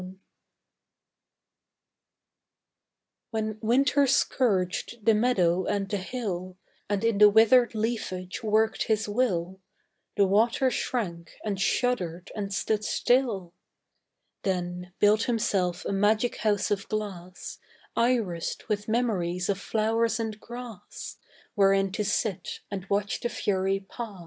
Ice When Winter scourged the meadow and the hill And in the withered leafage worked his will, The water shrank, and shuddered, and stood still, Then built himself a magic house of glass, Irised with memories of flowers and grass, Wherein to sit and watch the fury pass.